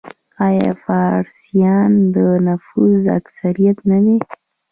آیا فارسیان د نفوس اکثریت نه دي؟